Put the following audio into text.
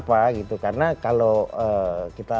berdua gitu karena kalau kita pakai anak anak